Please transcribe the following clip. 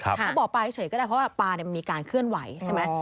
ถ้าบ่อปาก็ได้เพราะว่าปามันมีการเคลื่อนไหว